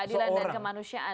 keadilan dan kemanusiaan ya